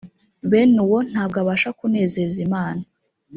bene uwo ntabwo abasha kunezeza Imana